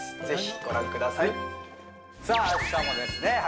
ぜひご覧くださいさあ明日もですね